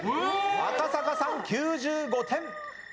赤坂さん９５点。